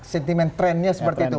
sentimen trendnya seperti itu